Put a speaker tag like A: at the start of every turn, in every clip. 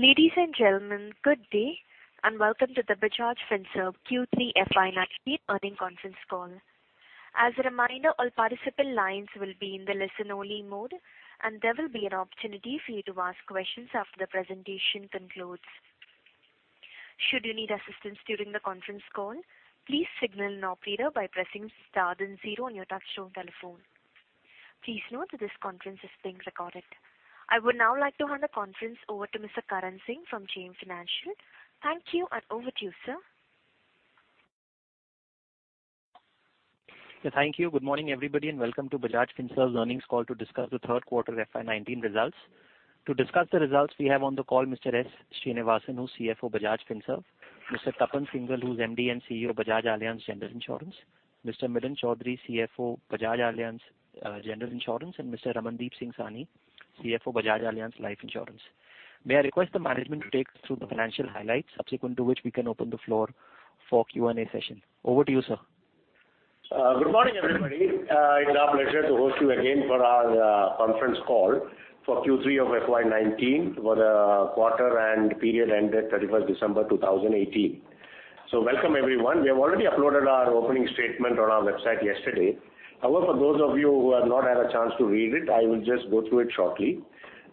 A: Ladies and gentlemen, good day, and welcome to the Bajaj Finserv Q3 FY 2019 earnings conference call. As a reminder, all participant lines will be in the listen-only mode, and there will be an opportunity for you to ask questions after the presentation concludes. Should you need assistance during the conference call, please signal an operator by pressing star then zero on your touchtone telephone. Please note that this conference is being recorded. I would now like to hand the conference over to Mr. Karan Singh from JM Financial. Thank you, and over to you, sir.
B: Thank you. Good morning, everybody, and welcome to Bajaj Finserv's earnings call to discuss the third quarter FY 2019 results. To discuss the results we have on the call Mr. S. Sreenivasan, who's CFO of Bajaj Finserv, Mr. Tapan Singhel, who's MD and CEO of Bajaj Allianz General Insurance, Mr. Milind Chaudhary, CFO, Bajaj Allianz General Insurance, and Mr. Ramandeep Singh Sahni, CFO, Bajaj Allianz Life Insurance. May I request the management to take us through the financial highlights, subsequent to which we can open the floor for Q&A session. Over to you, sir.
C: Good morning, everybody. It's our pleasure to host you again for our conference call for Q3 of FY 2019, for the quarter and period ended 31st December 2018. Welcome, everyone. We have already uploaded our opening statement on our website yesterday. Those of you who have not had a chance to read it, I will just go through it shortly.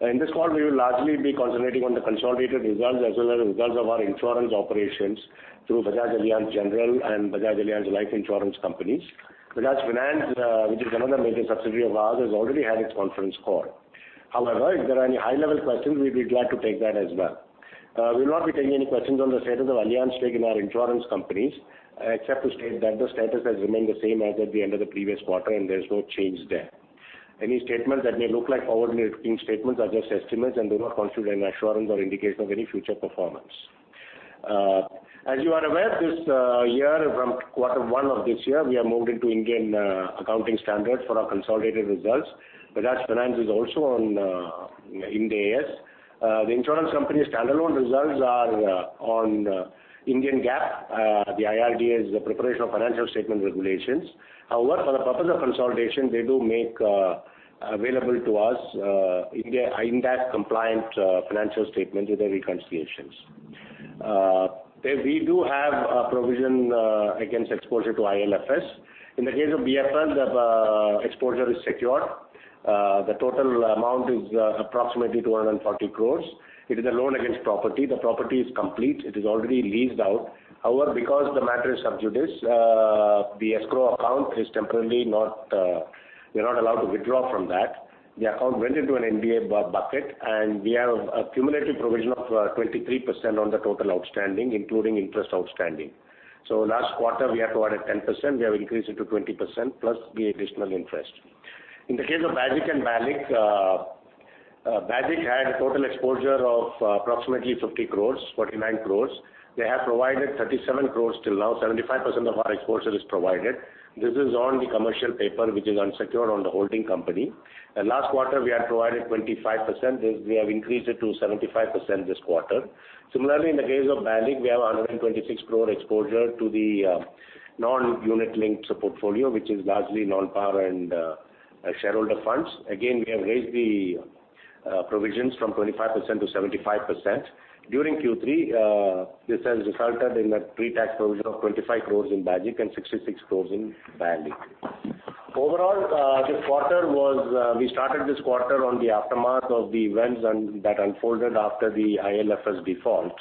C: In this call, we will largely be concentrating on the consolidated results as well as results of our insurance operations through Bajaj Allianz General and Bajaj Allianz Life Insurance companies. Bajaj Finance, which is another major subsidiary of ours, has already had its conference call. If there are any high-level questions, we'd be glad to take that as well. We will not be taking any questions on the status of Allianz stake in our insurance companies, except to state that the status has remained the same as at the end of the previous quarter, and there's no change there. Any statements that may look like forward-looking statements are just estimates and do not constitute any assurance or indication of any future performance. As you are aware, this year, from quarter one of this year, we have moved into Indian Accounting Standards for our consolidated results. Bajaj Finance is also on Ind AS. The insurance company's standalone results are on Indian GAAP, the IRDAI's preparation of financial statement regulations. For the purpose of consolidation, they do make available to us Ind AS-compliant financial statements with the reconciliations. We do have a provision against exposure to ILFS. In the case of BFL, the exposure is secure. The total amount is approximately 240 crore. It is a loan against property. The property is complete. It is already leased out. However, because the matter is sub judice, the escrow account, we're not allowed to withdraw from that. The account went into an NPA bucket, and we have a cumulative provision of 23% on the total outstanding, including interest outstanding. Last quarter, we had provided 10%, we have increased it to 20% plus the additional interest. In the case of BAGIC and BALIC, BAGIC had a total exposure of approximately 49 crore. They have provided 37 crore till now. 75% of our exposure is provided. This is on the commercial paper, which is unsecured on the holding company. Last quarter, we had provided 25%. We have increased it to 75% this quarter. Similarly, in the case of BALIC, we have 126 crore exposure to the non-unit-linked portfolio, which is largely non-par and shareholder funds. Again, we have raised the provisions from 25% to 75%. During Q3, this has resulted in a pre-tax provision of 25 crore in BAGIC and 66 crore in BALIC. Overall, we started this quarter on the aftermath of the events that unfolded after the ILFS default.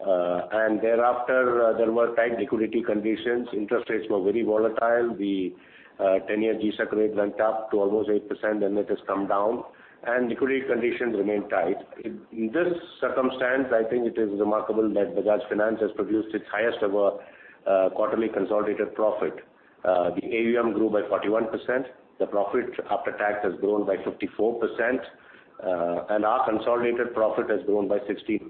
C: Thereafter, there were tight liquidity conditions. Interest rates were very volatile. The 10-year G-Sec rate went up to almost 8%. It has come down, and liquidity conditions remain tight. In this circumstance, I think it is remarkable that Bajaj Finance has produced its highest-ever quarterly consolidated profit. The AUM grew by 41%, the profit after tax has grown by 54%. Our consolidated profit has grown by 16%.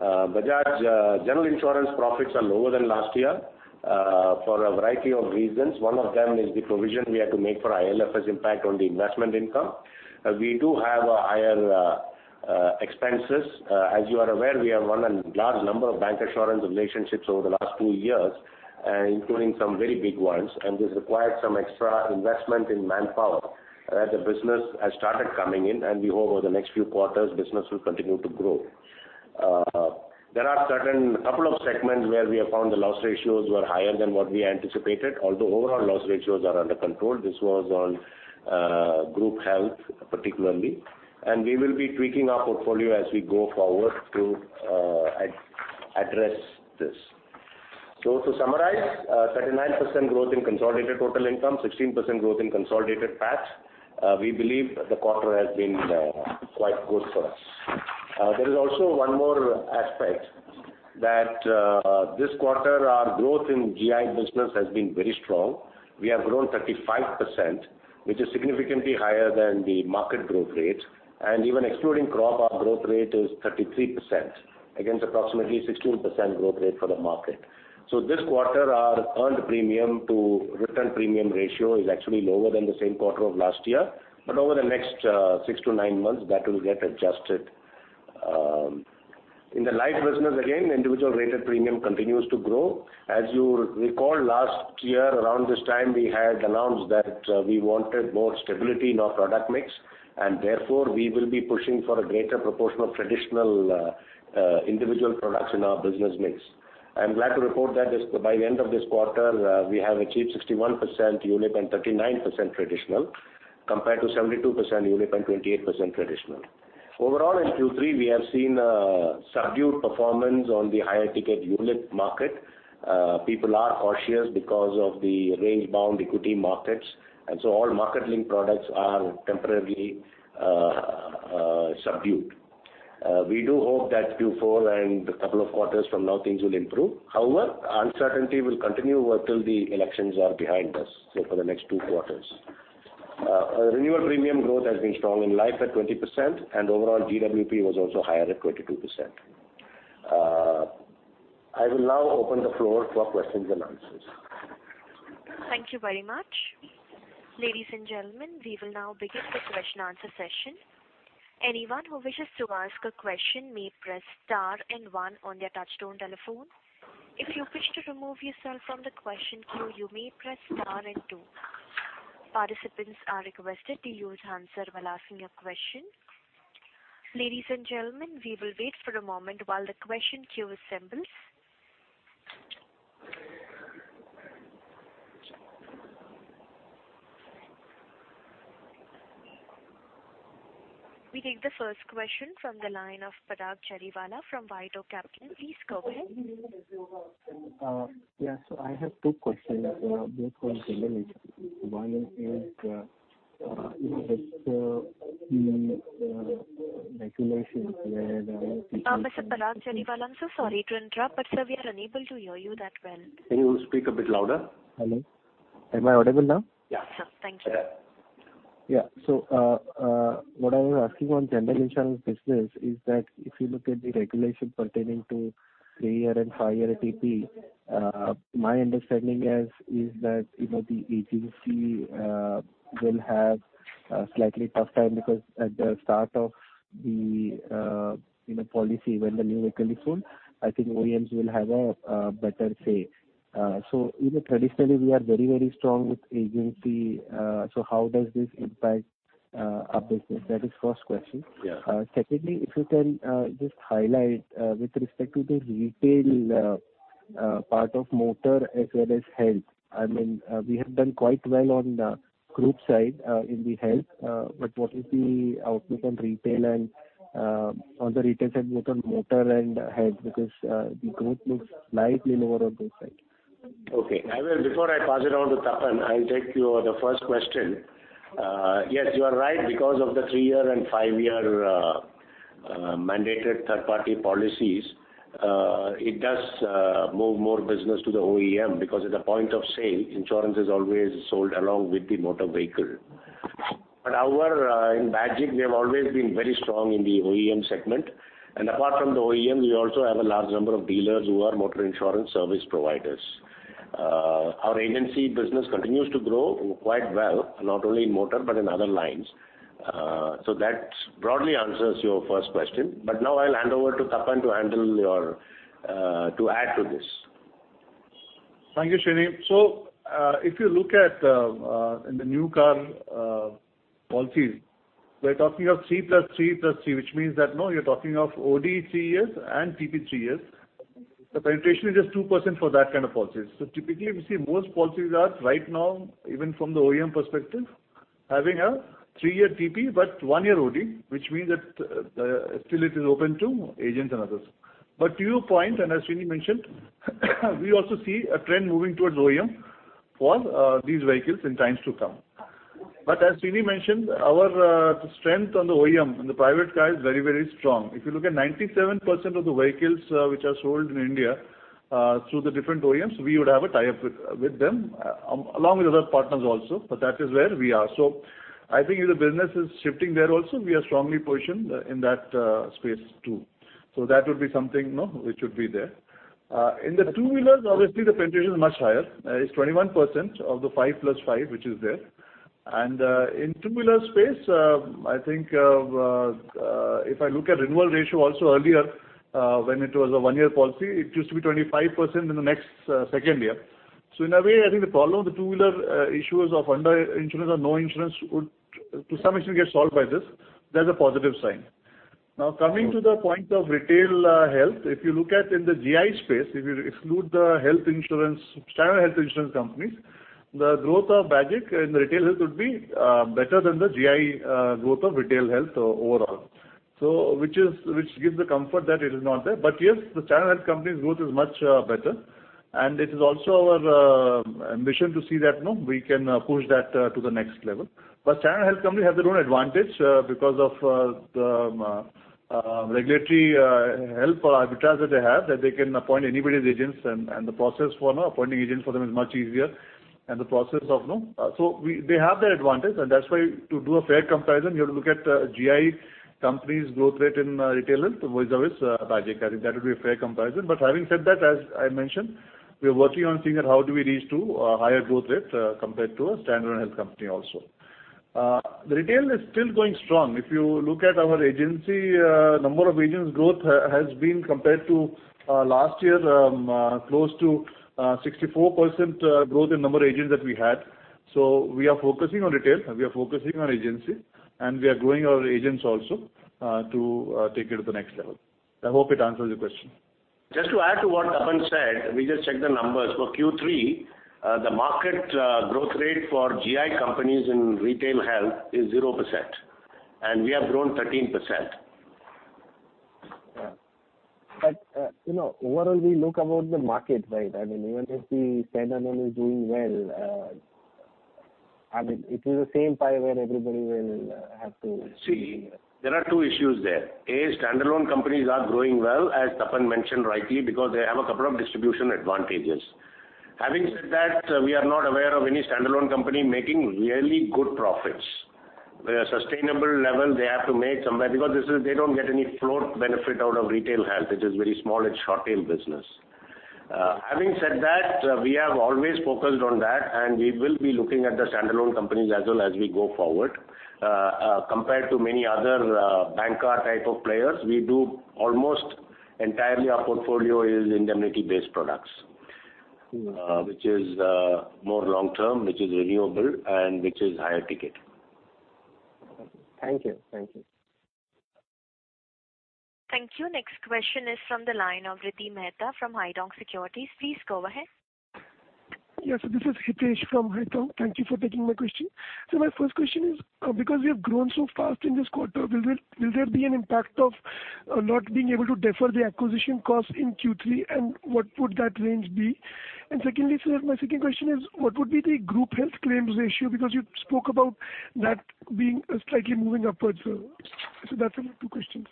C: Bajaj General Insurance profits are lower than last year, for a variety of reasons. One of them is the provision we had to make for ILFS impact on the investment income. We do have higher expenses. As you are aware, we have won a large number of bank insurance relationships over the last two years, including some very big ones. This required some extra investment in manpower. The business has started coming in. We hope over the next few quarters, business will continue to grow. There are a couple of segments where we have found the loss ratios were higher than what we anticipated, although overall loss ratios are under control. This was on group health, particularly. We will be tweaking our portfolio as we go forward to address this. To summarize, 39% growth in consolidated total income, 16% growth in consolidated PAT. We believe the quarter has been quite good for us. There is also one more aspect that this quarter our growth in GI business has been very strong. We have grown 35%, which is significantly higher than the market growth rate. Even excluding crop, our growth rate is 33%, against approximately 16% growth rate for the market. This quarter, our earned premium to return premium ratio is actually lower than the same quarter of last year. Over the next six to nine months, that will get adjusted. In the life business, again, individual rated premium continues to grow. As you recall, last year around this time, we had announced that we wanted more stability in our product mix, therefore, we will be pushing for a greater proportion of traditional individual products in our business mix. I'm glad to report that by the end of this quarter, we have achieved 61% unit and 39% traditional, compared to 72% unit and 28% traditional. Overall, in Q3, we have seen a subdued performance on the higher ticket unit market. People are cautious because of the range-bound equity markets. All market-linked products are temporarily subdued. We do hope that Q4 and a couple of quarters from now, things will improve. However, uncertainty will continue till the elections are behind us, so for the next two quarters. Renewal premium growth has been strong in life at 20%. Overall GWP was also higher at 22%. I will now open the floor for questions and answers.
A: Thank you very much. Ladies and gentlemen, we will now begin the question-and-answer session. Anyone who wishes to ask a question may press star one on their touch-tone telephone. If you wish to remove yourself from the question queue, you may press star two. Participants are requested to use answer while asking a question. Ladies and gentlemen, we will wait for a moment while the question queue assembles. We take the first question from the line of Pratap Chadiwala from Veda Capital. Please go ahead.
D: Yes. I have two questions, both for General Insurance. One is, with the regulations.
A: Mr. Pratap Chadiwala, I'm so sorry to interrupt, but sir, we are unable to hear you that well.
C: Can you speak a bit louder?
D: Hello. Am I audible now?
C: Yeah.
A: Sure. Thank you.
D: Yeah. What I was asking on General Insurance business is that if you look at the regulation pertaining to three-year and five-year TP, my understanding is that the agency will have a slightly tough time because at the start of the policy when the new vehicle is sold, I think OEMs will have a better say. Traditionally we are very strong with agency. How does this impact our business? That is first question.
C: Yeah.
D: Secondly, if you can just highlight with respect to the retail part of motor as well as health. We have done quite well on the group side in the health but what is the outlook on retail and on the retail side, both on motor and health, because the growth looks slightly lower on this side.
C: Okay. Before I pass it on to Tapan, I'll take your the first question. Yes, you are right because of the three-year and five-year mandated third-party policies, it does move more business to the OEM because at the point of sale, insurance is always sold along with the motor vehicle. However, in Bajaj, we have always been very strong in the OEM segment. Apart from the OEM, we also have a large number of dealers who are motor insurance service providers. Our agency business continues to grow quite well, not only in motor but in other lines. That broadly answers your first question. Now I'll hand over to Tapan to add to this.
E: Thank you, Sreeni. If you look at in the new car policies, we're talking of three plus three plus three, which means that you're talking of OD three years and TP three years. The penetration is just 2% for that kind of policies. Typically, we see most policies are right now, even from the OEM perspective, having a three-year TP but one year OD. Which means that still it is open to agents and others. To your point, and as Sreeni mentioned, we also see a trend moving towards OEM for these vehicles in times to come. As Sreeni mentioned, our strength on the OEM, on the private car is very strong. If you look at 97% of the vehicles which are sold in India, through the different OEMs, we would have a tie-up with them along with other partners also. That is where we are. I think if the business is shifting there also, we are strongly positioned in that space too. That would be something which should be there. In the two-wheelers, obviously the penetration is much higher. It's 21% of the five plus five, which is there. In two-wheeler space, I think, if I look at renewal ratio also earlier, when it was a one-year policy, it used to be 25% in the next second year. In a way, I think the problem of the two-wheeler issue is of under insurance or no insurance would to some extent get solved by this. That's a positive sign. Coming to the point of retail health, if you look at in the GI space, if you exclude the standalone health insurance companies, the growth of Bajaj in the retail health would be better than the GI growth of retail health overall. Which gives the comfort that it is not there. Yes, the Standalone health company's growth is much better, and it is also our mission to see that we can push that to the next level. Standalone health company have their own advantage because of the regulatory help or arbitrage that they have, that they can appoint anybody as agents and the process for appointing agents for them is much easier. They have their advantage, and that is why to do a fair comparison, you have to look at GI company's growth rate in retail health vis-à-vis Bajaj. I think that would be a fair comparison. Having said that, as I mentioned, we're working on seeing that how do we reach to a higher growth rate compared to a standalone health company also. The retail is still going strong. If you look at our agency, number of agents growth has been compared to last year, close to 64% growth in number of agents that we had. We are focusing on retail, we are focusing on agency, and we are growing our agents also to take it to the next level. I hope it answers your question.
C: Just to add to what Tapan said, we just checked the numbers. For Q3, the market growth rate for GI companies in retail health is 0%, and we have grown 13%.
D: Overall, we look about the market, right? Even if the standalone is doing well, it is the same pie where everybody will have to see.
C: There are two issues there. A, standalone companies are growing well, as Tapan mentioned rightly, because they have a couple of distribution advantages. Having said that, we are not aware of any standalone company making really good profits. There are sustainable levels they have to make somewhere because they don't get any float benefit out of retail health, which is a very small and short-tail business. Having said that, we have always focused on that, and we will be looking at the standalone companies as well as we go forward. Compared to many other banker type of players, we do almost entirely our portfolio is indemnity-based products, which is more long-term, which is renewable, and which is higher ticket.
D: Thank you.
C: Thank you.
A: Next question is from the line of Hitesh Gulati from Haitong Securities. Please go ahead.
F: Yes, this is Hitesh from Haitong. Thank you for taking my question. My first question is, because we have grown so fast in this quarter, will there be an impact of not being able to defer the acquisition cost in Q3, and what would that range be? Secondly, sir, my second question is, what would be the group health claims ratio? Because you spoke about that being slightly moving upwards. That's my two questions.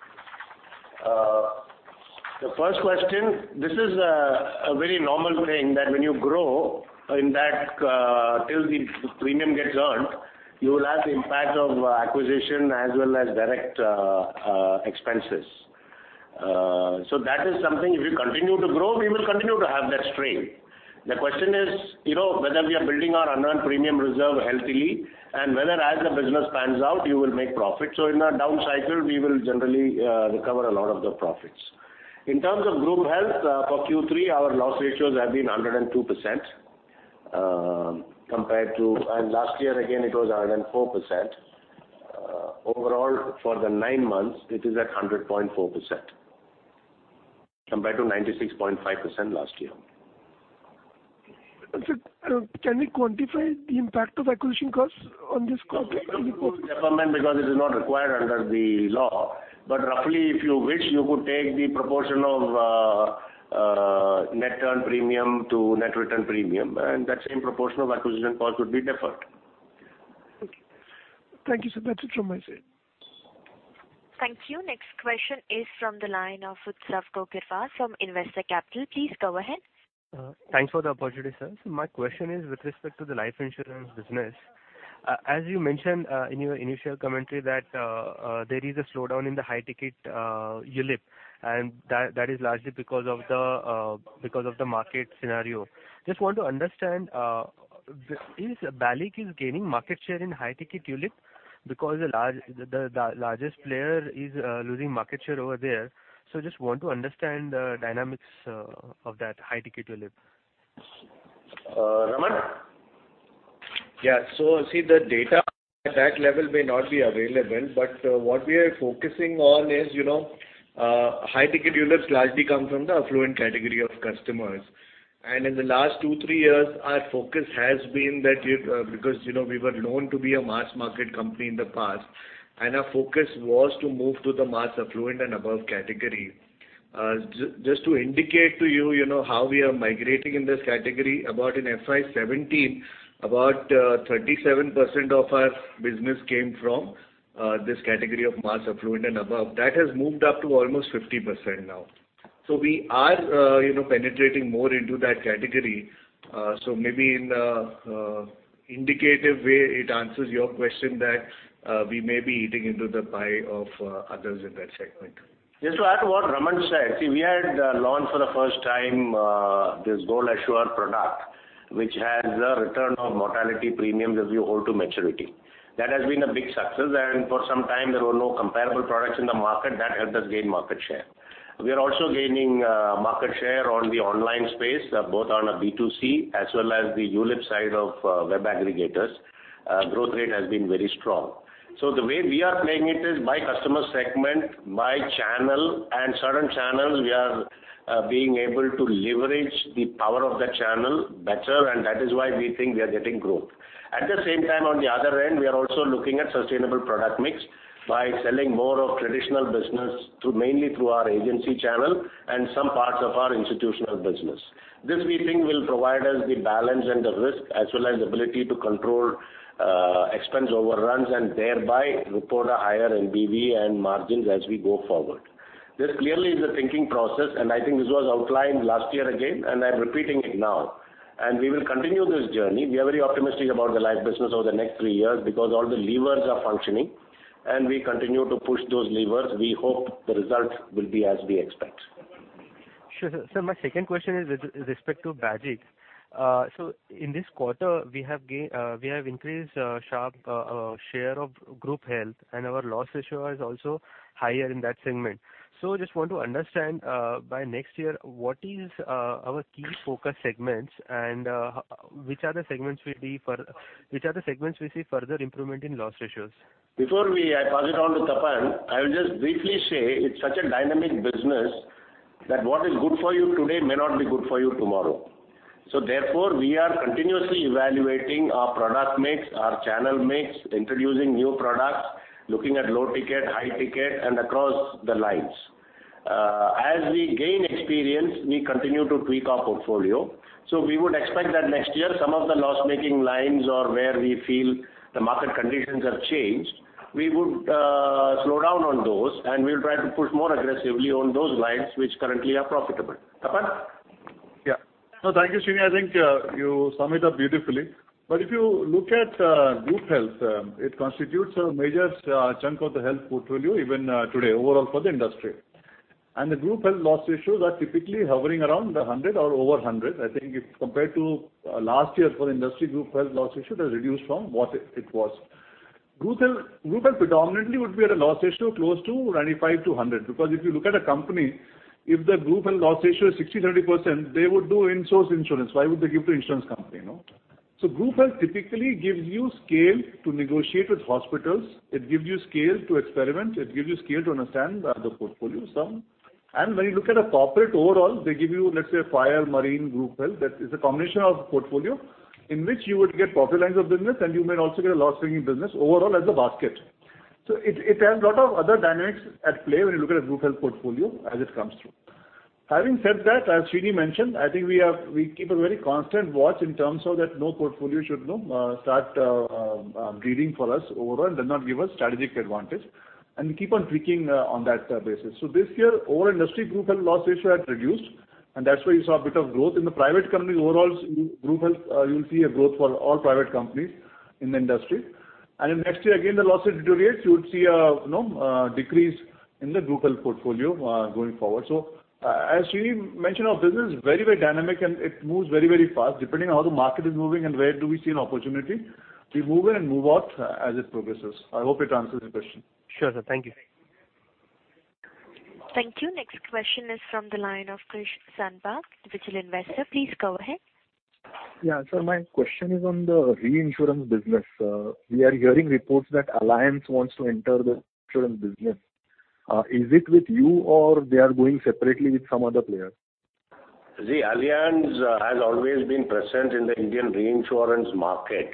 C: The first question, this is a very normal thing that when you grow, in that, till the premium gets earned, you will have the impact of acquisition as well as direct expenses. That is something if you continue to grow, we will continue to have that strain. The question is whether we are building our unearned premium reserve healthily and whether, as the business pans out, you will make profit. In our down cycle, we will generally recover a lot of the profits. In terms of group health, for Q3, our loss ratios have been 102% and last year, again, it was 104%. Overall, for the nine months, it is at 100.4%, compared to 96.5% last year.
F: Sir, can we quantify the impact of acquisition costs on this quarter?
C: We cannot defer because it is not required under the law. Roughly, if you wish, you could take the proportion of net earned premium to net written premium, and that same proportion of acquisition cost would be deferred.
F: Okay. Thank you, sir. That's it from my side.
A: Thank you. Next question is from the line of Utsav Kokirkar from Investec Capital. Please go ahead.
G: Thanks for the opportunity, sir. My question is with respect to the life insurance business. As you mentioned in your initial commentary that there is a slowdown in the high-ticket ULIP, that is largely because of the market scenario. Just want to understand, is BALIC gaining market share in high-ticket ULIP because the largest player is losing market share over there. Just want to understand the dynamics of that high-ticket ULIP.
C: Raman.
H: Yeah. See, the data at that level may not be available, but what we are focusing on is high-ticket ULIPs largely come from the affluent category of customers. In the last two, three years, our focus has been that because we were known to be a mass market company in the past, and our focus was to move to the mass affluent and above category. Just to indicate to you how we are migrating in this category, in FY 2017, about 37% of our business came from this category of mass affluent and above. That has moved up to almost 50% now. Maybe in an indicative way, it answers your question that we may be eating into the pie of others in that segment.
C: Just to add to what Raman said, we had launched for the first time this Goal Assure product, which has a return of mortality premium if you hold to maturity. That has been a big success, and for some time, there were no comparable products in the market that helped us gain market share. We are also gaining market share on the online space, both on a B2C as well as the ULIP side of web aggregators. Growth rate has been very strong. The way we are playing it is by customer segment, by channel, and certain channels we are being able to leverage the power of that channel better, and that is why we think we are getting growth. At the same time, on the other end, we are also looking at sustainable product mix by selling more of traditional business mainly through our agency channel and some parts of our institutional business. This, we think, will provide us the balance and the risk, as well as the ability to control expense overruns and thereby report a higher VNB and margins as we go forward. This clearly is a thinking process, and I think this was outlined last year again, and I'm repeating it now. We will continue this journey. We are very optimistic about the life business over the next three years because all the levers are functioning, and we continue to push those levers. We hope the results will be as we expect.
G: Sure. Sir, my second question is with respect to Bajaj. In this quarter, we have increased sharp share of group health, and our loss ratio is also higher in that segment. Just want to understand, by next year, what is our key focus segments and which are the segments we see further improvement in loss ratios?
C: Before I pass it on to Tapan, I will just briefly say it's such a dynamic business that what is good for you today may not be good for you tomorrow. Therefore, we are continuously evaluating our product mix, our channel mix, introducing new products, looking at low ticket, high ticket, and across the lines. As we gain experience, we continue to tweak our portfolio. We would expect that next year, some of the loss-making lines or where we feel the market conditions have changed, we would slow down on those and we'll try to push more aggressively on those lines which currently are profitable. Tapan?
E: Yeah. No, thank you, Sreeni. I think you summed it up beautifully. If you look at group health, it constitutes a major chunk of the health portfolio even today, overall for the industry. The group health loss ratios are typically hovering around 100 or over 100. I think if compared to last year for industry group health loss ratio, it has reduced from what it was. Group health predominantly would be at a loss ratio close to 95 to 100. Because if you look at a company, if the group health loss ratio is 60, 30%, they would do in-source insurance. Why would they give to insurance company? Group health typically gives you scale to negotiate with hospitals. It gives you scale to experiment. It gives you scale to understand the other portfolio. When you look at a corporate overall, they give you, let's say, fire, marine, group health. That is a combination of portfolio in which you would get profit lines of business, and you may also get a loss-making business overall as a basket. It has lot of other dynamics at play when you look at a group health portfolio as it comes through. Having said that, as Sreeni mentioned, I think we keep a very constant watch in terms of that no portfolio should start bleeding for us overall. It does not give us strategic advantage, and we keep on tweaking on that basis. This year, overall industry group health loss ratio has reduced, and that's why you saw a bit of growth. In the private companies overall, group health, you'll see a growth for all private companies in the industry. In next year, again, the loss will deteriorate. You would see a decrease in the group health portfolio going forward. As Sreeni mentioned, our business is very dynamic, and it moves very fast. Depending on how the market is moving and where do we see an opportunity, we move in and move out as it progresses. I hope it answers your question.
G: Sure, sir. Thank you.
A: Thank you. Next question is from the line of Krish Sannbag, individual investor. Please go ahead.
I: Yeah. Sir, my question is on the reinsurance business. We are hearing reports that Allianz wants to enter the insurance business. Is it with you, or they are going separately with some other player?
C: See, Allianz has always been present in the Indian reinsurance market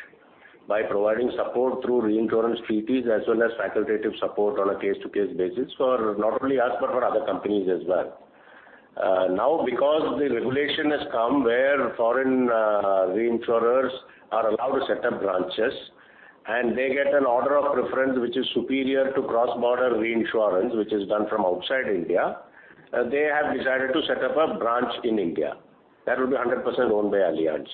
C: by providing support through reinsurance treaties as well as facultative support on a case-to-case basis for not only us, but for other companies as well. Now, because the regulation has come where foreign reinsurers are allowed to set up branches and they get an order of preference which is superior to cross-border reinsurance, which is done from outside India, they have decided to set up a branch in India that will be 100% owned by Allianz.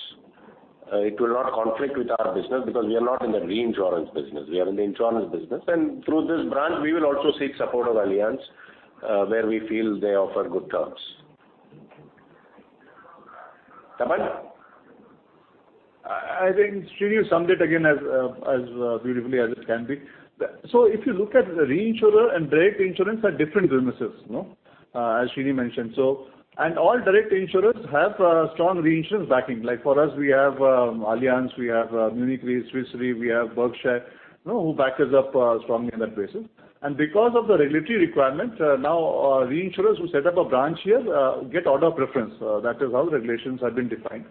C: It will not conflict with our business because we are not in the reinsurance business. We are in the insurance business. Through this branch, we will also seek support of Allianz, where we feel they offer good terms. Tapan.
E: I think Sreeni summed it again as beautifully as it can be. If you look at reinsurer and direct insurance are different businesses as Sreeni mentioned. All direct insurers have strong reinsurance backing. Like for us, we have Allianz, we have Munich Re, Swiss Re, we have Berkshire, who back us up strongly on that basis. Because of the regulatory requirements, now reinsurers who set up a branch here get order of preference. That is how regulations have been defined.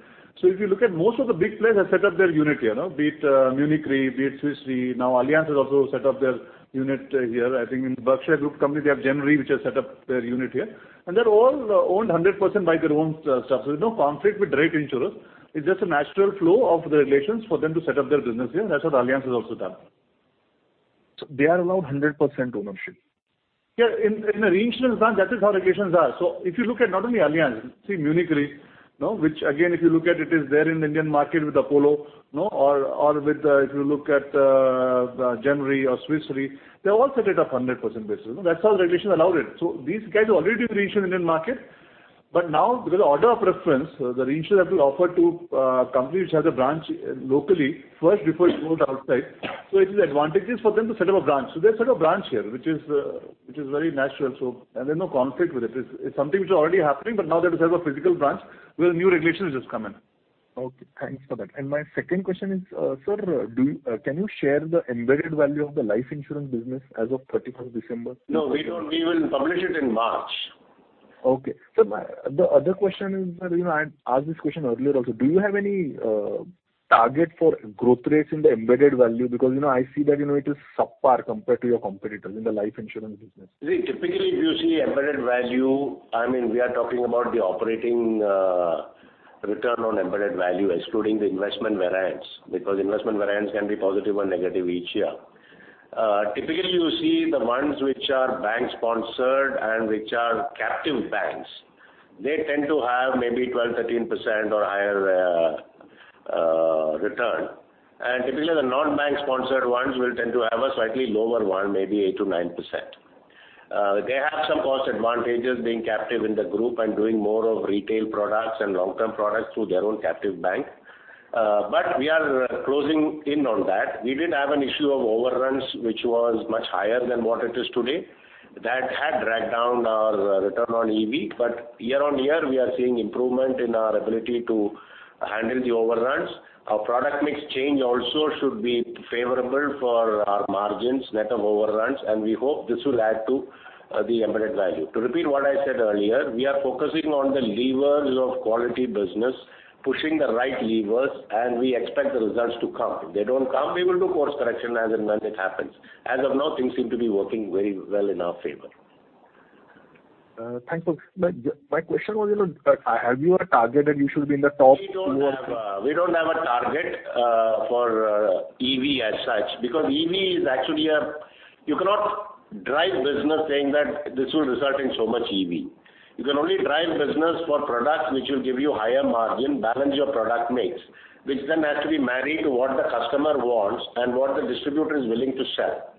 E: If you look at most of the big players have set up their unit here. Be it Munich Re, be it Swiss Re, now Allianz has also set up their unit here. I think in Berkshire Group company, they have Gen Re, which has set up their unit here. They are all owned 100% by their own staff. There is no conflict with direct insurers. It's just a natural flow of the regulations for them to set up their business here. That's what Allianz has also done.
I: They are allowed 100% ownership.
E: Yeah, in a reinsurance plan, that is how regulations are. If you look at not only Allianz, see Munich Re, which again, if you look at it, is there in the Indian market with Apollo. Or if you look at Gen Re or Swiss Re, they all set it up 100% basis. That's how the regulations allowed it. These guys are already doing reinsurance in Indian market. But now because of order of preference, the reinsurer have to offer to a company which has a branch locally first before it goes outside. It is advantageous for them to set up a branch. They set up branch here, which is very natural. There's no conflict with it. It's something which is already happening, but now they have to have a physical branch where new regulations just come in.
I: Okay, thanks for that. My second question is, sir, can you share the embedded value of the life insurance business as of 31st December?
C: No, we don't. We will publish it in March.
I: Okay. Sir, the other question is, I asked this question earlier also. Do you have any target for growth rates in the embedded value? I see that it is subpar compared to your competitors in the life insurance business.
C: See, typically, if you see embedded value, we are talking about the operating return on embedded value, excluding the investment variance. Investment variance can be positive or negative each year. Typically, you see the ones which are bank-sponsored and which are captive banks. They tend to have maybe 12%, 13% or higher return. Typically, the non-bank sponsored ones will tend to have a slightly lower one, maybe 8%-9%. They have some cost advantages being captive in the group and doing more of retail products and long-term products through their own captive bank. We are closing in on that. We did have an issue of overruns, which was much higher than what it is today. That had dragged down our return on EV, year-on-year, we are seeing improvement in our ability to handle the overruns. Our product mix change also should be favorable for our margins, net of overruns, we hope this will add to the embedded value. To repeat what I said earlier, we are focusing on the levers of quality business, pushing the right levers, we expect the results to come. If they don't come, we will do course correction as and when it happens. As of now, things seem to be working very well in our favor.
I: Thanks. My question was, have you a target that you should be in the top two or three?
C: We don't have a target for EV as such, because EV is actually. You cannot drive business saying that this will result in so much EV. You can only drive business for products which will give you higher margin, balance your product mix, which then has to be married to what the customer wants and what the distributor is willing to sell.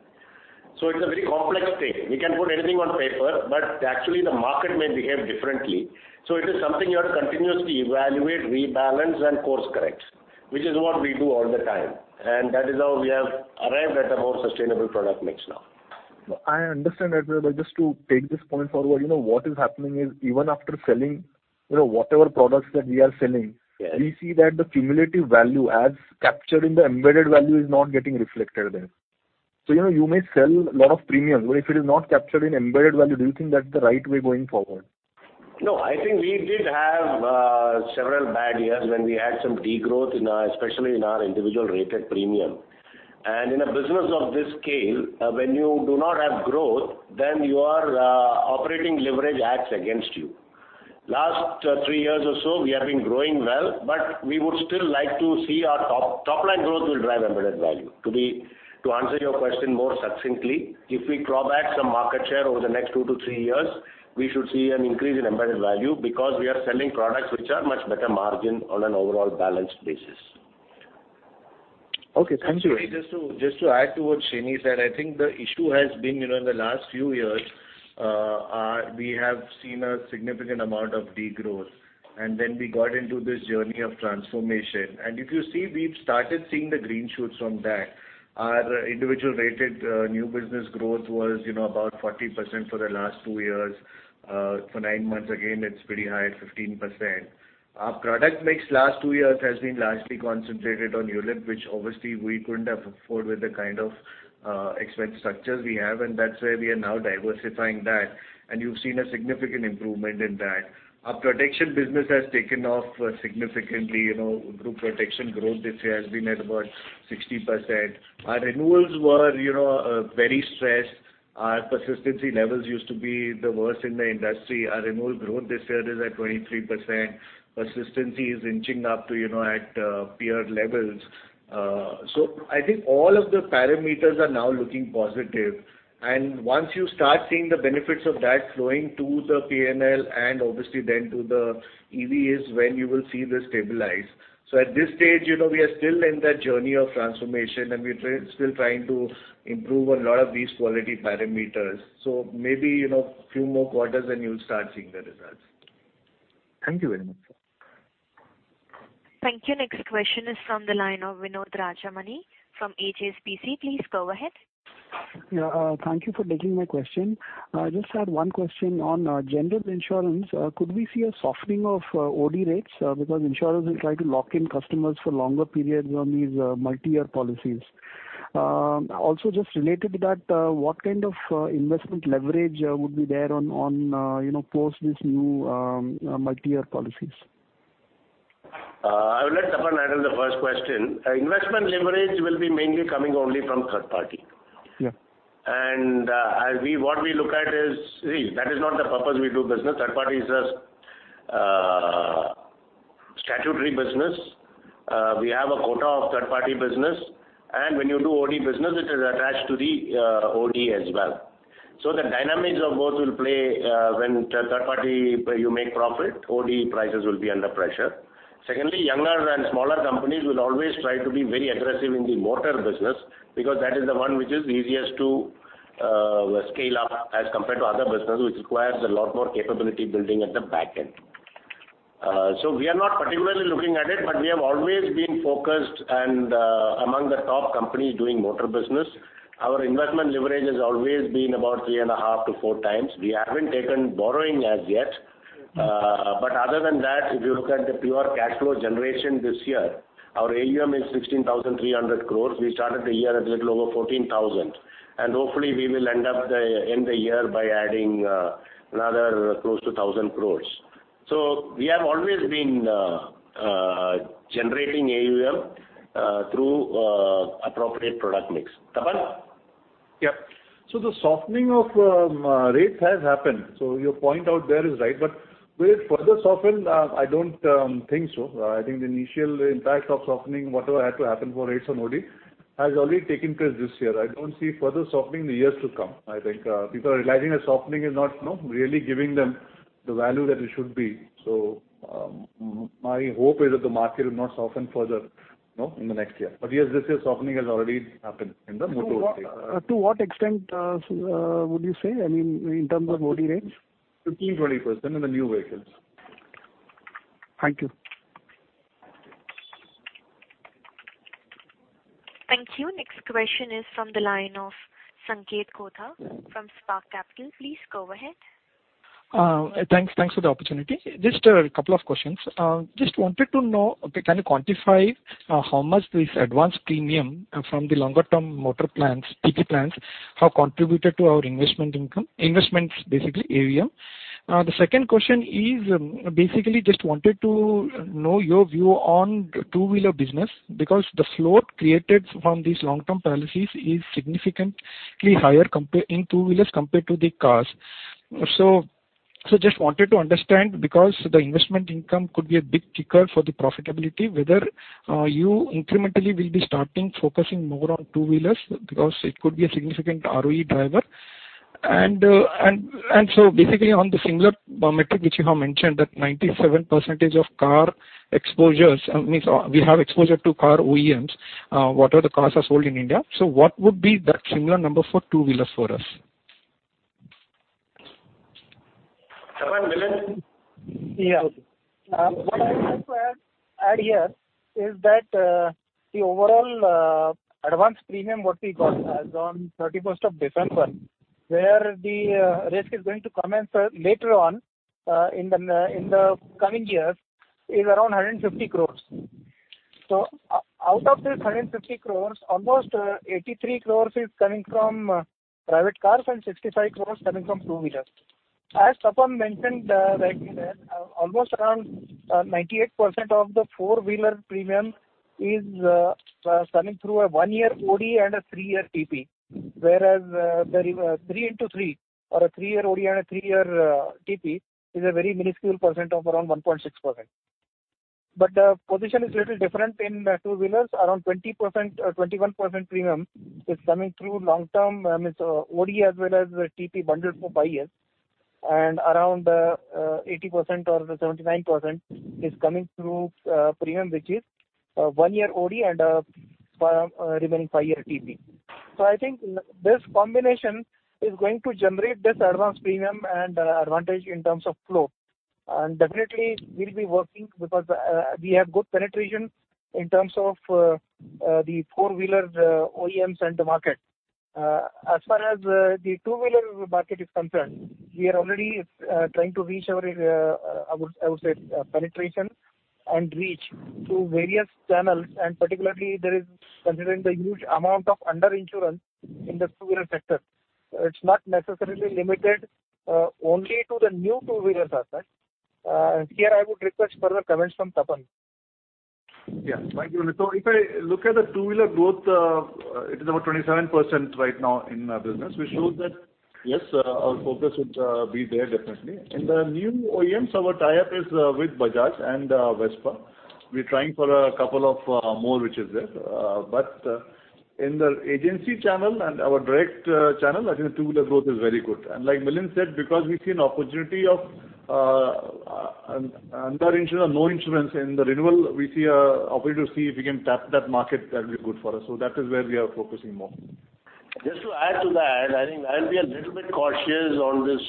C: It's a very complex thing. We can put anything on paper, actually the market may behave differently. It is something you have to continuously evaluate, rebalance, and course correct, which is what we do all the time. That is how we have arrived at a more sustainable product mix now.
I: I understand that. Just to take this point forward, what is happening is even after selling whatever products that we are selling-
C: Yes
I: We see that the cumulative value as captured in the embedded value is not getting reflected there. You may sell a lot of premium, if it is not captured in embedded value, do you think that's the right way going forward?
C: I think we did have several bad years when we had some degrowth, especially in our individual rated premium. In a business of this scale, when you do not have growth, then your operating leverage acts against you. Last three years or so, we have been growing well, we would still like to see our top. Topline growth will drive Embedded Value. To answer your question more succinctly, if we claw back some market share over the next two-three years, we should see an increase in Embedded Value because we are selling products which are much better margin on an overall balanced basis.
I: Okay. Thank you very much.
H: Sorry, just to add to what Sreeni said, I think the issue has been in the last few years, we have seen a significant amount of degrowth, then we got into this journey of transformation. If you see, we've started seeing the green shoots from that. Our individual rated new business growth was about 40% for the last two years. For nine months, again, it's pretty high at 15%. Our product mix last two years has been largely concentrated on ULIP, which obviously we couldn't have afforded with the kind of expense structures we have, that's where we are now diversifying that. You've seen a significant improvement in that. Our protection business has taken off significantly. Group protection growth this year has been at about 60%. Our renewals were very stressed. Our persistency levels used to be the worst in the industry. Our renewal growth this year is at 23%. Persistency is inching up to at peer levels. I think all of the parameters are now looking positive. Once you start seeing the benefits of that flowing to the P&L and obviously then to the EVs, when you will see this stabilize. At this stage, we are still in that journey of transformation, we're still trying to improve a lot of these quality parameters. Maybe few more quarters and you'll start seeing the results.
I: Thank you very much.
A: Thank you. Next question is from the line of Vinod Rajamani from HSBC. Please go ahead.
J: Thank you for taking my question. I just had one question on general insurance. Could we see a softening of OD rates because insurers will try to lock in customers for longer periods on these multi-year policies? Also, just related to that, what kind of investment leverage would be there on post these new multi-year policies?
C: I will let Tapan handle the first question. Investment leverage will be mainly coming only from third party.
J: Yeah.
C: What we look at is, that is not the purpose we do business. Third party is a statutory business. We have a quota of third party business, and when you do OD business, it is attached to the OD as well. The dynamics of both will play when third party you make profit, OD prices will be under pressure. Secondly, younger and smaller companies will always try to be very aggressive in the motor business because that is the one which is easiest to scale up as compared to other business, which requires a lot more capability building at the back end. We are not particularly looking at it, but we have always been focused and among the top companies doing motor business. Our investment leverage has always been about three and a half to four times. We haven't taken borrowing as yet. Other than that, if you look at the pure cash flow generation this year, our AUM is 16,300 crore. We started the year at little over 14,000. Hopefully we will end the year by adding another close to 1,000 crore. We have always been generating AUM through appropriate product mix. Tapan.
E: The softening of rates has happened. Your point out there is right, but will it further soften? I don't think so. I think the initial impact of softening, whatever had to happen for rates on OD It has already taken place this year. I don't see further softening in the years to come. I think people are realizing that softening is not really giving them the value that it should be. My hope is that the market will not soften further in the next year. Yes, this year's softening has already happened in the motor space.
J: To what extent would you say, in terms of OD range?
E: 15%, 20% in the new vehicles.
J: Thank you.
A: Thank you. Next question is from the line of Sanket Kothari from Spark Capital. Please go ahead.
K: Thanks for the opportunity. A couple of questions. Wanted to know, can you quantify how much this advance premium from the longer-term motor plans, TP plans have contributed to our investment income, investments, basically AUM? The second question is basically wanted to know your view on two-wheeler business, because the float created from these long-term policies is significantly higher in two-wheelers compared to the cars. Wanted to understand, because the investment income could be a big kicker for the profitability, whether you incrementally will be starting focusing more on two-wheelers because it could be a significant ROE driver. Basically on the similar metric which you have mentioned that 97% of car exposures, means we have exposure to car OEMs, whatever the cars are sold in India. What would be that similar number for two-wheelers for us?
C: Tapan, Milind?
L: What I would like to add here is that the overall advance premium what we got as on 31st of December, where the risk is going to commence later on in the coming years is around 150 crore. Out of this 150 crore, almost 83 crore is coming from private cars and 65 crore coming from two-wheelers. As Tapan mentioned rightly that almost around 98% of the four-wheeler premium is coming through a one-year OD and a three-year TP. Whereas the 3/3 or a three-year OD and a three-year TP is a very minuscule percent of around 1.6%. The position is a little different in two-wheelers. Around 20%, 21% premium is coming through long term, means OD as well as TP bundled for five years, and around 80% or 79% is coming through premium, which is one-year OD and remaining five-year TP. I think this combination is going to generate this advance premium and advantage in terms of flow. Definitely we'll be working because we have good penetration in terms of the four-wheeler OEMs and the market. As far as the two-wheeler market is concerned, we are already trying to reach our, I would say, penetration and reach through various channels, particularly there is considering the huge amount of under-insurance in the two-wheeler sector. It's not necessarily limited only to the new two-wheelers asset. Here I would request further comments from Tapan.
E: Yeah. Thank you, Milind. If I look at the two-wheeler growth, it is about 27% right now in our business, which shows that yes, our focus would be there definitely. In the new OEMs, our tie-up is with Bajaj and Vespa. We are trying for a couple of more which is there. In the agency channel and our direct channel, I think two-wheeler growth is very good. Like Milind said, because we see a opportunity of under-insurance or no insurance in the renewal, we see a opportunity to see if we can tap that market, that'll be good for us. That is where we are focusing more.
C: Just to add to that, I think I'll be a little bit cautious on this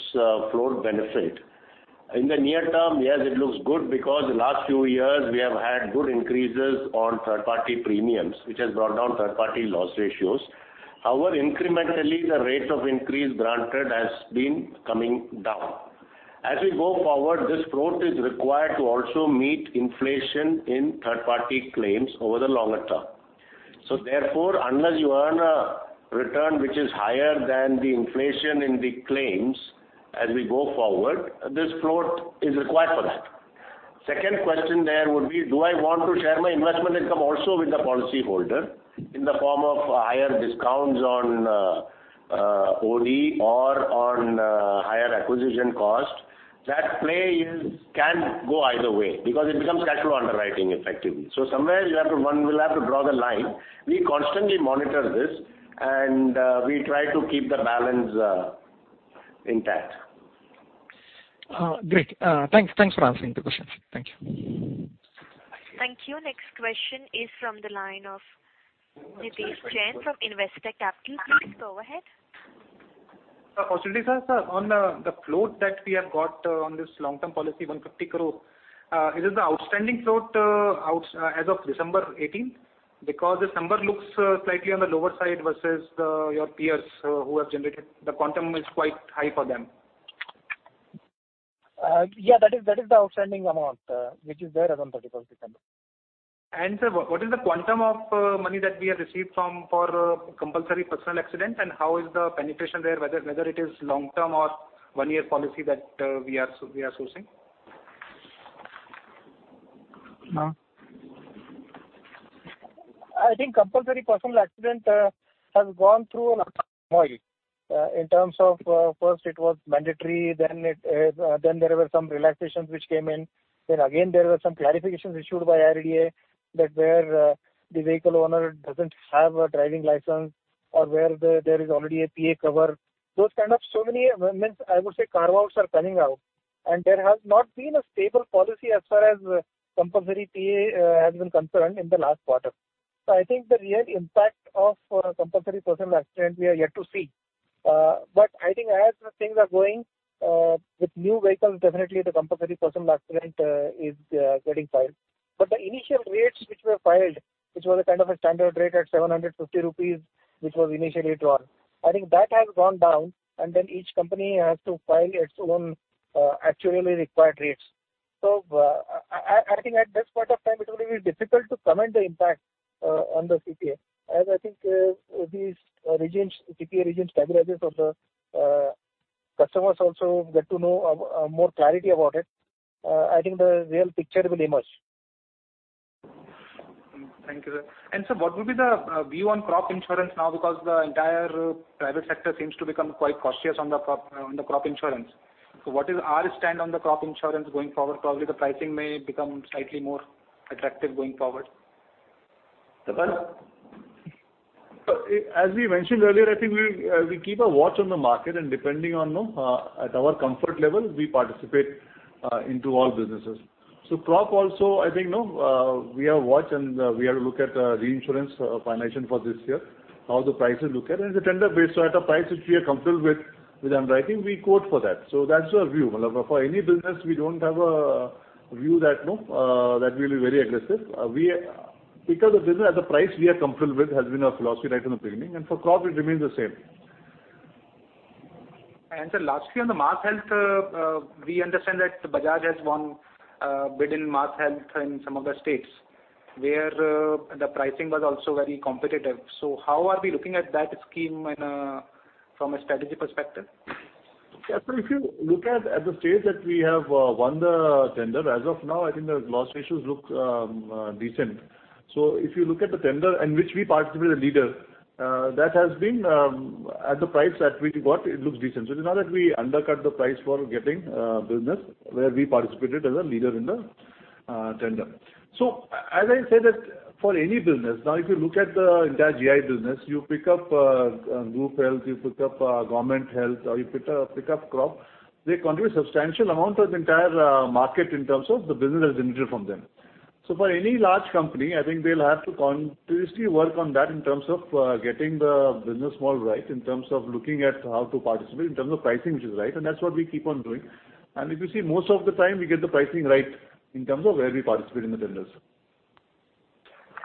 C: float benefit. In the near term, yes, it looks good because the last few years we have had good increases on third-party premiums, which has brought down third-party loss ratios. However, incrementally, the rate of increase granted has been coming down. As we go forward, this float is required to also meet inflation in third-party claims over the longer term. Therefore, unless you earn a return which is higher than the inflation in the claims as we go forward, this float is required for that. Second question there would be, do I want to share my investment income also with the policyholder in the form of higher discounts on OD or on higher acquisition cost? That play can go either way because it becomes casual underwriting, effectively. Somewhere one will have to draw the line. We constantly monitor this and we try to keep the balance intact.
K: Great. Thanks for answering the questions. Thank you.
A: Thank you. Next question is from the line of Ritesh Jain from Investec Capital. Please go ahead.
M: Ritesh Jain sir, on the float that we have got on this long-term policy, 150 crore, it is the outstanding float as of December 18th? This number looks slightly on the lower side versus your peers who have generated the quantum is quite high for them.
L: Yeah, that is the outstanding amount which is there as on 31st December.
M: Sir, what is the quantum of money that we have received for compulsory personal accident and how is the penetration there, whether it is long-term or one-year policy that we are sourcing?
L: I think compulsory personal accident has gone through In terms of first it was mandatory, then there were some relaxations which came in. Again, there were some clarifications issued by IRDA that where the vehicle owner doesn't have a driving license or where there is already a PA cover. Those kind of so many amendments, I would say, carve-outs are coming out, and there has not been a stable policy as far as compulsory PA has been concerned in the last quarter. I think the real impact of compulsory personal accident, we are yet to see. I think as the things are going with new vehicles, definitely the compulsory personal accident is getting filed. But the initial rates which were filed, which was a kind of a standard rate at 750 rupees, which was initially drawn. I think that has gone down, then each company has to file its own actuarially required rates. I think at this point of time, it will be difficult to comment the impact on the CPA, as I think these CPA regimes, categories of the customers also get to know more clarity about it. I think the real picture will emerge.
M: Thank you, sir. Sir, what will be the view on crop insurance now because the entire private sector seems to become quite cautious on the crop insurance. What is our stand on the crop insurance going forward? Probably the pricing may become slightly more attractive going forward.
C: Tapan.
E: As we mentioned earlier, I think we keep a watch on the market and depending on at our comfort level, we participate into all businesses. Crop also, I think, we have watched and we have to look at reinsurance financing for this year, how the prices look at it. It's a tender-based, at a price which we are comfortable with underwriting, we quote for that. That's our view. For any business, we don't have a view that we'll be very aggressive. Pick up the business at the price we are comfortable with has been our philosophy right from the beginning, and for crop it remains the same.
M: Sir, lastly, on the Mass Health, we understand that Bajaj has won a bid in Mass Health in some of the states where the pricing was also very competitive. How are we looking at that scheme from a strategy perspective?
E: If you look at the states that we have won the tender, as of now, I think the loss ratios look decent. If you look at the tender in which we participated as leader, that has been at the price that we got, it looks decent. It is not that we undercut the price for getting business where we participated as a leader in the tender. As I said that for any business, now if you look at the entire GI business, you pick up group health, you pick up government health, or you pick up crop, they contribute a substantial amount of the entire market in terms of the business that is generated from them. For any large company, I think they'll have to continuously work on that in terms of getting the business model right, in terms of looking at how to participate, in terms of pricing which is right, and that's what we keep on doing. If you see, most of the time we get the pricing right in terms of where we participate in the tenders.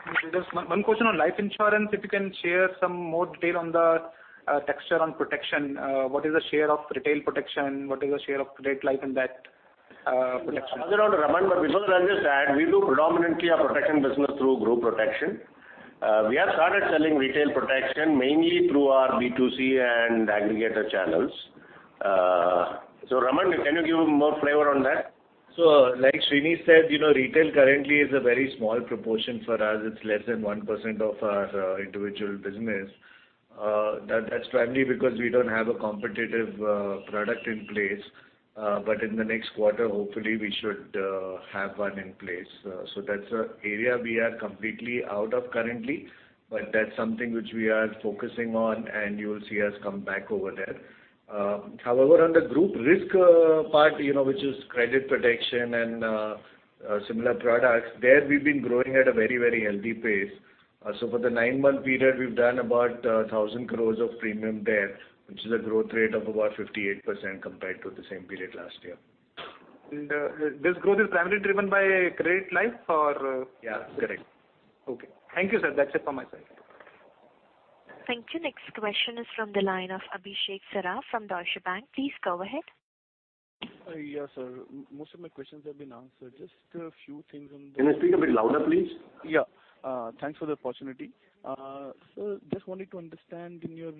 M: Thank you. Just one question on life insurance. If you can share some more detail on the texture on protection, what is the share of retail protection, what is the share of credit life and death protection?
C: I'll hand it on to Raman, before that, I'll just add, we do predominantly a protection business through group protection. We have started selling retail protection mainly through our B2C and aggregator channels. Raman, can you give more flavor on that?
H: Like Sreeni said, retail currently is a very small proportion for us. It's less than 1% of our individual business. That's primarily because we don't have a competitive product in place. In the next quarter, hopefully we should have one in place. That's a area we are completely out of currently, that's something which we are focusing on, and you will see us come back over there. However, on the group risk part, which is credit protection and similar products, there we've been growing at a very healthy pace. For the nine-month period, we've done about 1,000 crore of premium there, which is a growth rate of about 58% compared to the same period last year.
M: This growth is primarily driven by credit life or?
H: Yeah.
C: Correct.
M: Okay. Thank you, sir. That's it from my side.
A: Thank you. Next question is from the line of Abhishek Saraf from Deutsche Bank. Please go ahead.
N: Yeah, sir. Most of my questions have been answered. Just a few things on the-
C: Can you speak a bit louder, please?
N: Yeah. Thanks for the opportunity. Sir, just wanted to understand in your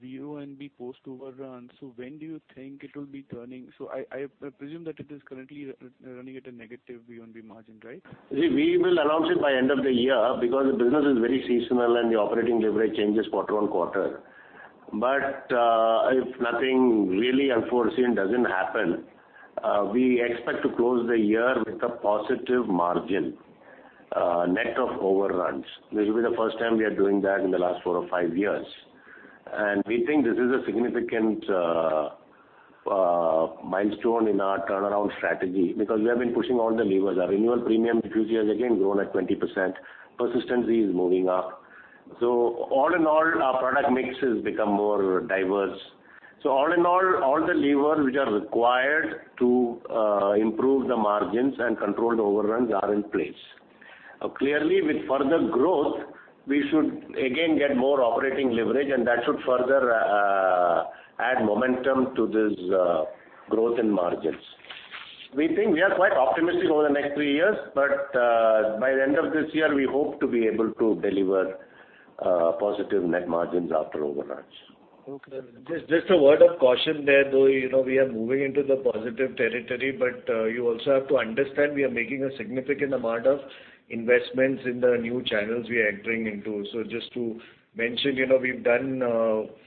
N: view on the post overrun, when do you think it will be turning? I presume that it is currently running at a negative VNB margin, right?
C: We will announce it by end of the year because the business is very seasonal and the operating leverage changes quarter on quarter. If nothing really unforeseen doesn't happen, we expect to close the year with a positive margin net of overruns, which will be the first time we are doing that in the last four or five years. We think this is a significant milestone in our turnaround strategy because we have been pushing all the levers. Our renewal premium this year has again grown at 20%. Persistency is moving up. All in all, our product mix has become more diverse. All in all the levers which are required to improve the margins and controlled overruns are in place. Clearly, with further growth, we should again get more operating leverage, and that should further add momentum to this growth in margins. We think we are quite optimistic over the next three years. By the end of this year, we hope to be able to deliver positive net margins after overruns.
N: Okay.
H: Just a word of caution there, though we are moving into the positive territory, but you also have to understand, we are making a significant amount of investments in the new channels we are entering into. Just to mention, we've done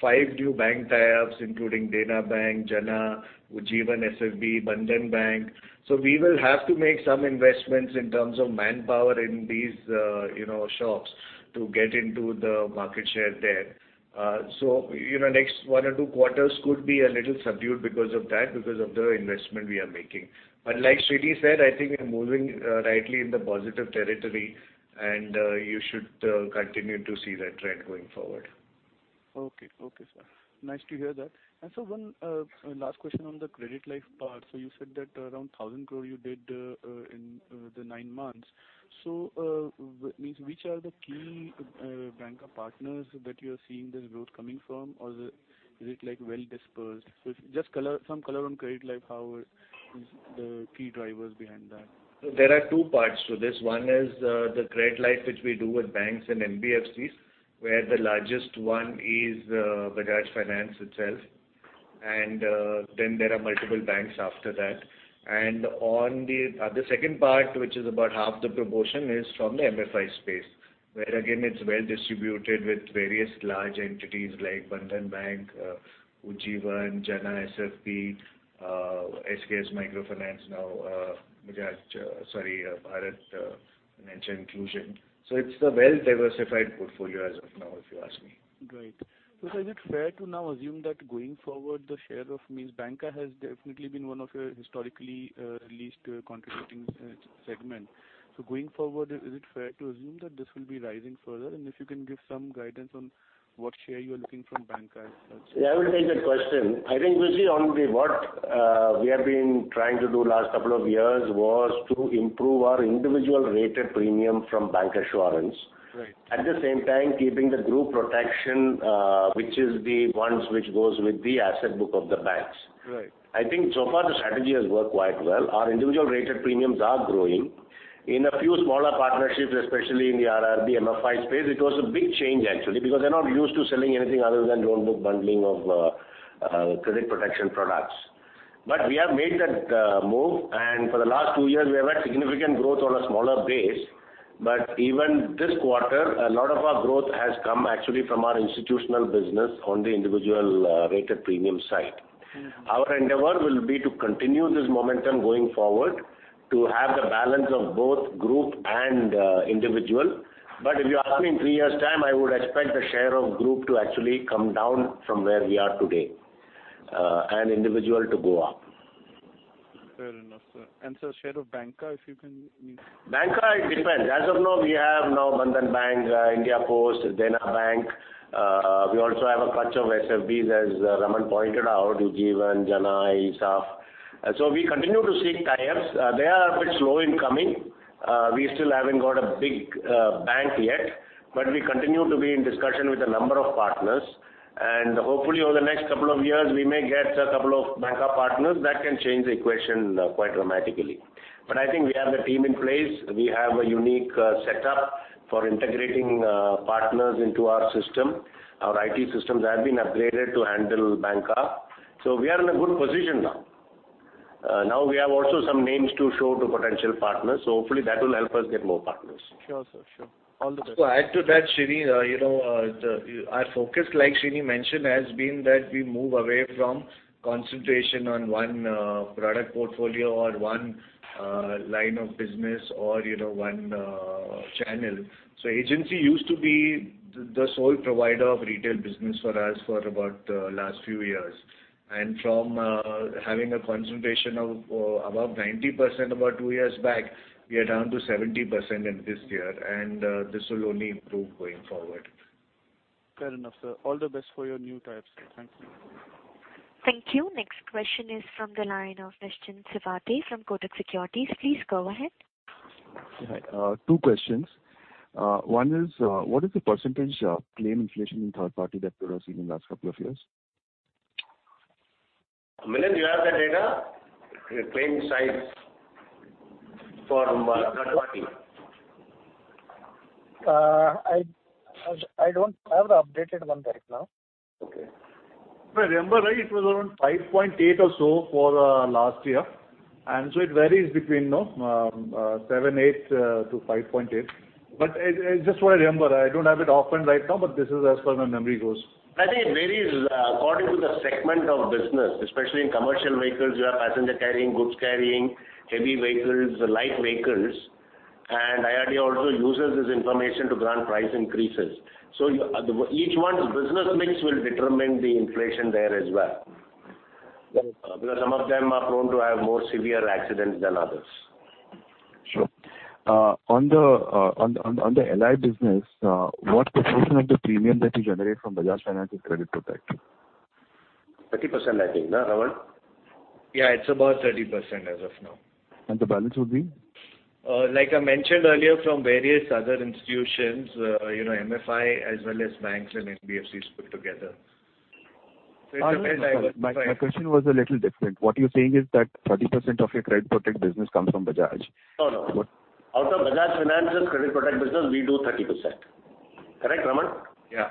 H: five new bank tie-ups, including Dena Bank, Jana, Ujjivan SFB, Bandhan Bank. We will have to make some investments in terms of manpower in these shops to get into the market share there. Next one or two quarters could be a little subdued because of that, because of the investment we are making. Like Sreeni said, I think we're moving rightly in the positive territory, and you should continue to see that trend going forward.
N: Okay. Sir. Nice to hear that. Sir, one last question on the Credit Life part. You said that around 1,000 crore you did in the nine months. Which are the key banca partners that you are seeing this growth coming from, or is it well dispersed? Just some color on Credit Life, how the key drivers behind that.
H: There are two parts to this. One is the Credit Life, which we do with banks and NBFCs, where the largest one is Bajaj Finance itself. Then there are multiple banks after that. The second part, which is about half the proportion, is from the MFI space, where again, it's well distributed with various large entities like Bandhan Bank, Ujjivan, Jana SFB, SKS Microfinance now, Bharat Financial Inclusion. It's a well-diversified portfolio as of now, if you ask me.
N: Right. Is it fair to now assume that going forward, the share of means banca has definitely been one of your historically least contributing segment. Going forward, is it fair to assume that this will be rising further? If you can give some guidance on what share you are looking from banca as such.
C: Yeah, I would take that question. What we have been trying to do last couple of years was to improve our individual rated premium from bancassurance.
N: Right.
C: At the same time, keeping the group protection which is the ones which goes with the asset book of the banks.
N: Right.
C: I think so far the strategy has worked quite well. Our individual rated premiums are growing. In a few smaller partnerships, especially in the RRB MFI space, it was a big change actually, because they are not used to selling anything other than own book bundling of credit protection products. We have made that move, and for the last two years, we have had significant growth on a smaller base. Even this quarter, a lot of our growth has come actually from our institutional business on the individual rated premium side. Our endeavor will be to continue this momentum going forward to have the balance of both group and individual. If you ask me in three years' time, I would expect the share of group to actually come down from where we are today, and individual to go up.
N: Fair enough, sir. Sir, share of banca, if you can-
C: Banca, it depends. As of now, we have now Bandhan Bank, India Post, Dena Bank. We also have a clutch of SFBs as Raman pointed out, Ujjivan, Jana, ESAF. We continue to seek tie-ups. They are a bit slow in coming. We still haven't got a big bank yet, but we continue to be in discussion with a number of partners. Hopefully over the next couple of years, we may get a couple of banca partners that can change the equation quite dramatically. I think we have the team in place. We have a unique setup for integrating partners into our system. Our IT systems have been upgraded to handle banca. We are in a good position now. Now we have also some names to show to potential partners, so hopefully that will help us get more partners.
N: Sure, sir. All the best.
H: To add to that, Sreeni, our focus, like Sreeni mentioned, has been that we move away from concentration on one product portfolio or one line of business or one channel. Agency used to be the sole provider of retail business for us for about last few years. From having a concentration of above 90% about two years back, we are down to 70% in this year, and this will only improve going forward.
N: Fair enough, sir. All the best for your new tie-ups. Thank you.
A: Thank you. Next question is from the line of Nischint Chawathe from Kotak Securities. Please go ahead.
O: Hi. Two questions. One is, what is the percentage of claim inflation in third party that you have seen in last couple of years?
C: Milind, do you have the data? The claim size for third party.
L: I don't have the updated one right now.
O: Okay.
E: If I remember right, it was around 5.8 or so for last year. It varies between 7.8-5.8. It's just what I remember. I don't have it open right now, but this is as per my memory goes.
C: I think it varies according to the segment of business, especially in commercial vehicles, you have passenger carrying, goods carrying, heavy vehicles, light vehicles. IRDAI also uses this information to grant price increases. Each one's business mix will determine the inflation there as well.
O: Right.
C: Some of them are prone to have more severe accidents than others.
O: Sure. On the allied business, what proportion of the premium that you generate from Bajaj Finance is credit protection?
C: 30%, I think, no, Raman?
H: Yeah, it's about 30% as of now.
O: The balance would be?
H: Like I mentioned earlier, from various other institutions, MFI as well as banks and NBFCs put together.
O: My question was a little different. What you're saying is that 30% of your credit protect business comes from Bajaj?
C: No. Out of Bajaj Finance's credit protect business, we do 30%. Correct, Raman?
H: Yeah.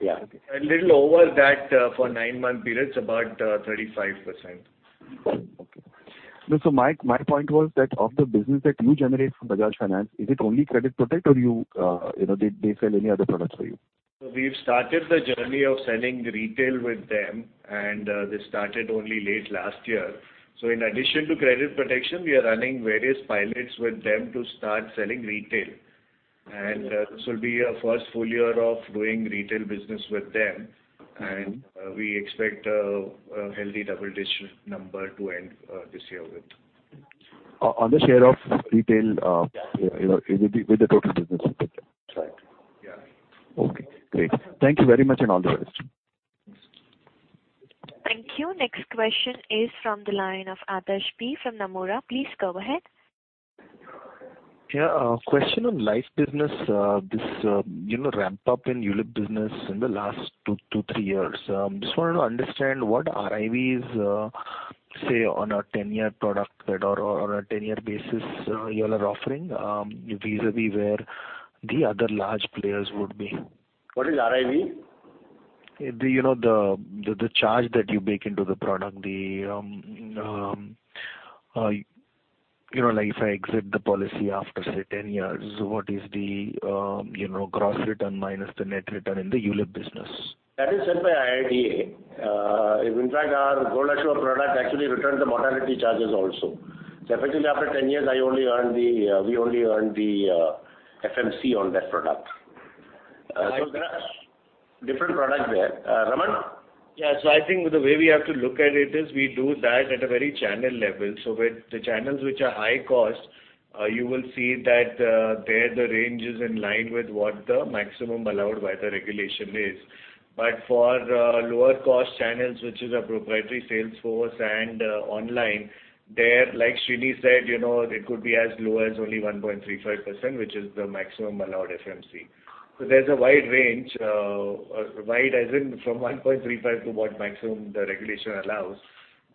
C: Yeah.
H: A little over that for nine-month periods, about 35%.
O: Okay. My point was that of the business that you generate from Bajaj Finance, is it only credit protect or do they sell any other products for you?
H: We've started the journey of selling retail with them, and this started only late last year. In addition to credit protection, we are running various pilots with them to start selling retail. This will be our first full year of doing retail business with them. We expect a healthy double-digit number to end this year with.
O: On the share of retail.
H: Yeah.
O: -with the total business. Is that right?
H: Yeah.
O: Okay, great. Thank you very much. All the best.
A: Thank you. Next question is from the line of Adarsh B from Nomura. Please go ahead.
P: Question on life business. This ramp-up in ULIP business in the last two to three years. Just wanted to understand what RIY is, say, on a 10-year product or on a 10-year basis you all are offering vis-à-vis where the other large players would be.
C: What is RIY?
P: The charge that you bake into the product. Like if I exit the policy after, say, 10 years, what is the gross return minus the net return in the ULIP business?
C: That is set by IRDAI. In fact, our Bajaj Allianz Life Goal Assure product actually returns the mortality charges also. Effectively, after 10 years, we only earn the FMC on that product. There are different products there. Raman?
H: Yeah. I think the way we have to look at it is we do that at a very channel level. With the channels which are high cost, you will see that there the range is in line with what the maximum allowed by the regulation is. For lower-cost channels, which is our proprietary sales force and online, there, like Sreeni said it could be as low as only 1.35%, which is the maximum allowed FMC. There's a wide range, wide as in from 1.35% to what maximum the regulation allows.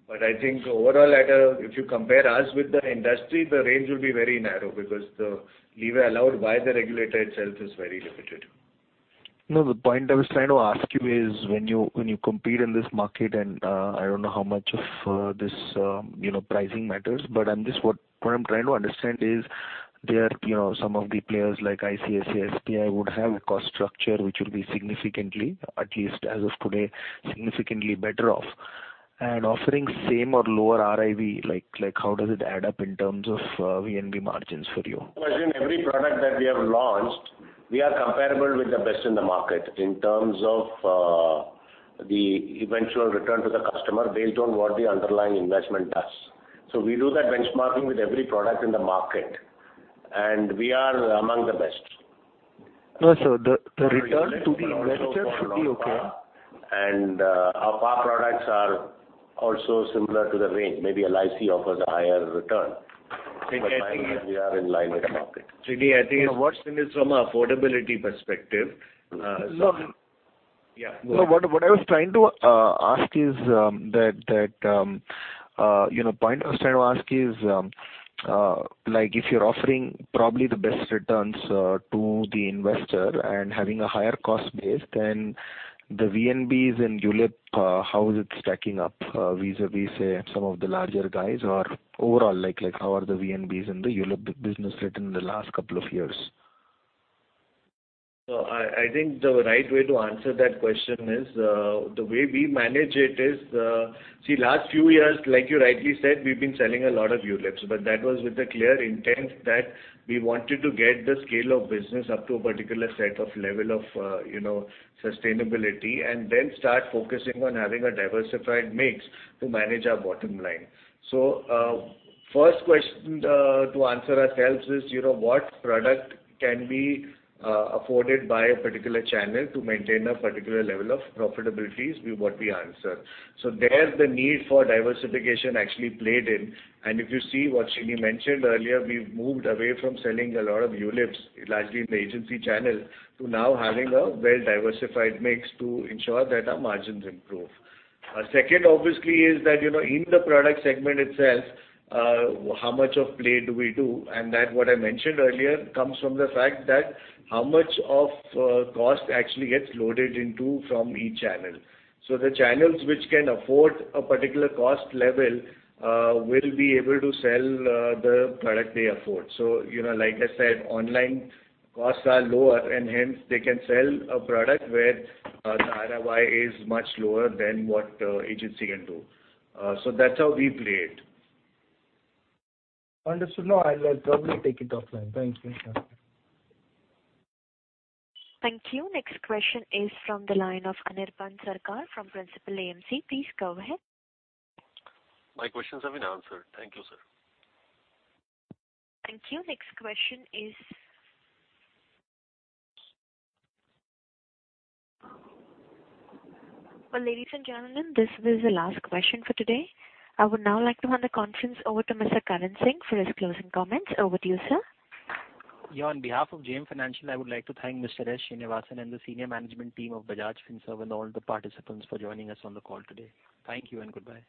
H: I think overall, if you compare us with the industry, the range will be very narrow because the leeway allowed by the regulator itself is very limited.
P: The point I was trying to ask you is when you compete in this market, and I don't know how much of this pricing matters, but what I'm trying to understand is there some of the players like ICICI, SBI would have a cost structure which will be significantly, at least as of today, significantly better off, and offering same or lower RIY, how does it add up in terms of VNB margins for you?
C: I'll assume every product that we have launched, we are comparable with the best in the market in terms of the eventual return to the customer based on what the underlying investment does. We do that benchmarking with every product in the market, and we are among the best.
P: The return to the investor should be okay.
C: Our par products are also similar to the range. Maybe LIC offers a higher return. We are in line with the market.
H: Sreeni, I think what's in this from affordability perspective
P: No.
H: Yeah.
P: What I was trying to ask is that, if you're offering probably the best returns to the investor and having a higher cost base, then the VNBs in ULIP, how is it stacking up vis-à-vis, say, some of the larger guys? Overall, how are the VNBs in the ULIP business written in the last couple of years?
H: I think the right way to answer that question is the way we manage it is. Last few years, like you rightly said, we've been selling a lot of ULIPs, but that was with the clear intent that we wanted to get the scale of business up to a particular set of level of sustainability and then start focusing on having a diversified mix to manage our bottom line. First question to answer ourselves is what product can be afforded by a particular channel to maintain a particular level of profitability is what we answered. There, the need for diversification actually played in. If you see what Sreeni mentioned earlier, we've moved away from selling a lot of ULIPs, largely in the agency channel, to now having a well-diversified mix to ensure that our margins improve. Second obviously is that in the product segment itself, how much of play do we do? That, what I mentioned earlier, comes from the fact that how much of cost actually gets loaded into from each channel. The channels which can afford a particular cost level will be able to sell the product they afford. Like I said, online costs are lower, and hence they can sell a product where the ROI is much lower than what agency can do. That's how we play it.
P: Understood. No, I'll probably take it offline. Thank you.
A: Thank you. Next question is from the line of Anirban Sarkar from Principal AMC. Please go ahead.
Q: My questions have been answered. Thank you, sir.
A: Thank you. Next question is Well, ladies and gentlemen, this is the last question for today. I would now like to hand the conference over to Mr. Karan Singh for his closing comments. Over to you, sir.
B: Yeah. On behalf of JM Financial, I would like to thank Mr. S. Sreenivasan and the senior management team of Bajaj Finserv and all the participants for joining us on the call today. Thank you and goodbye.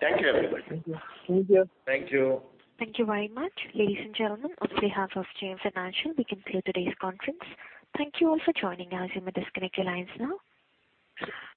C: Thank you, everybody.
H: Thank you.
C: Thank you.
A: Thank you very much. Ladies and gentlemen, on behalf of JM Financial, we conclude today's conference. Thank you all for joining us. You may disconnect your lines now.
B: Thank you.